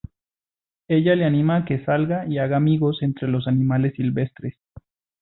Ella le anima a que salga y haga amigos entre los animales silvestres.